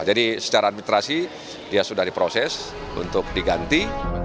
jadi secara administrasi dia sudah diproses untuk diganti